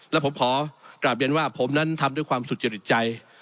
และผมขอกลับเรียนว่าผมนั้นทำด้วยความสุจริตใจ